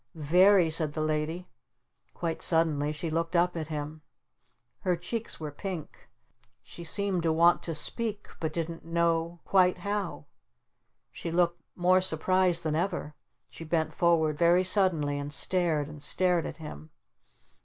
"V very," said the Lady. Quite suddenly she looked up at him. Her cheeks were pink. She seemed to want to speak but didn't know quite how. She looked more surprised than ever. She bent forward very suddenly and stared and stared at him.